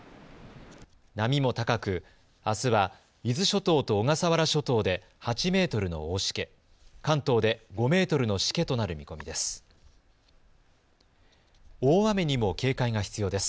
波も高く、あすは伊豆諸島と小笠原諸島で８メートルの大しけ、関東で５メートルのしけとなる見込みです。